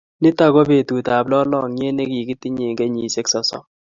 Nito ko betut ab lolongyet nekikitinye eng kenyishek sosom